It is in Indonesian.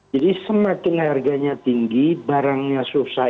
jadi semakin harganya tinggi barangnya susah